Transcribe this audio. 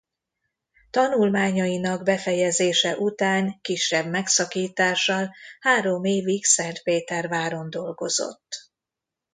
Tanulmányainak befejezése után kisebb megszakítással három évig Szentpéterváron dolgozott.